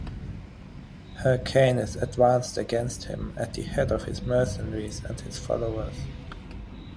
Hyrcanus advanced against him at the head of his mercenaries and his followers.